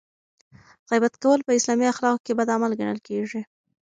غیبت کول په اسلامي اخلاقو کې بد عمل ګڼل کیږي.